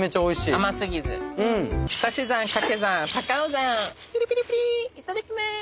いただきまーす！